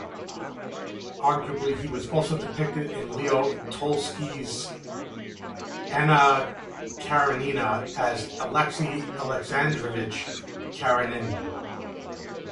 Arguably he was also depicted in Leo Tolstoy's "Anna Karenina" as Alexei Alexandrovich Karenin.